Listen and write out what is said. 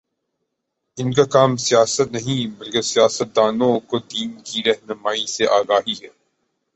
ان کا کام سیاست نہیں، بلکہ سیاست دانوں کو دین کی رہنمائی سے آگاہی ہے